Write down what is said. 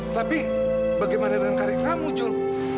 tapi bagaimana dengan karir kamu jul